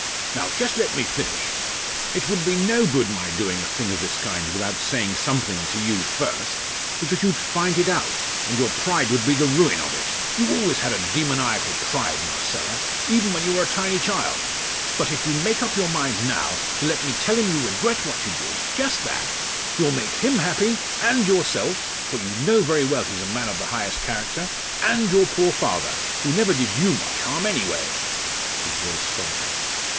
"Now just let me finish. It would be no good my doing a thing of this kind without saying something to you first, because you'd find it out, and your pride would be the ruin of it. You always had a demoniacal pride, Marcella, even when you were a tiny child; but if you make up your mind now to let me tell him you regret what you did just that you'll make him happy, and yourself, for you know very well he's a man of the highest character and your poor father, who never did you much harm anyway!" His voice faltered.